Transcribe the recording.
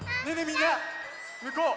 みんなむこう。